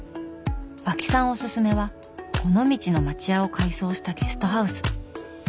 和氣さんおすすめは尾道の町家を改装したゲストハウス。